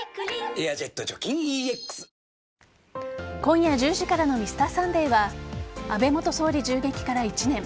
「エアジェット除菌ＥＸ」今夜１０時からの「Ｍｒ．サンデー」は安倍元総理銃撃から１年。